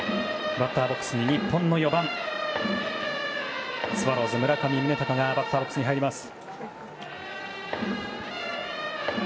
バッターボックスに日本の４番スワローズ、村上宗隆が入ります。